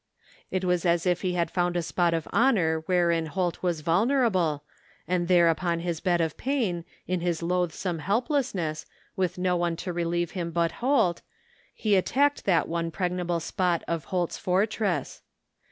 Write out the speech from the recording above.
It was as if he had found a spot of ho!|^ wherein Holt was vulnerable, and there upon his bed of pain, in his loathsome helplessness, with no one to relieve him but Holt, he attacked that one pregnable spot of Holt's fortress.